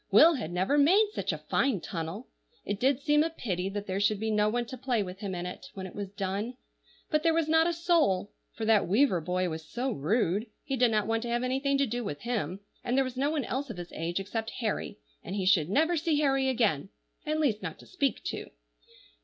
Will had never made such a fine tunnel; it did seem a pity that there should be no one to play with him in it, when it was done. But there was not a soul; for that Weaver boy was so rude, he did not want to have anything to do with him, and there was no one else of his age except Harry, and he should never see Harry again, at least not to speak to.